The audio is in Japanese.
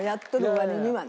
割にはね。